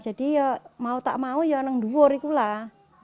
jadi ya mau tak mau ya ada dua orang itu lah